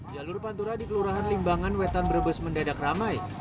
jalur pantura di kelurahan limbangan wetan brebes mendadak ramai